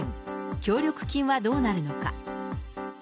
協力金はどうなるのか。